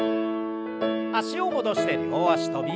脚を戻して両脚跳び。